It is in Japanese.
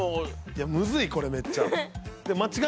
いやむずいこれめっちゃ。